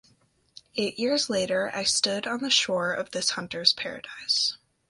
Eight years later I stood on the shore of this hunter's paradise.